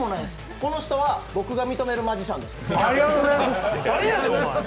この人は僕が認めるマジシャンです。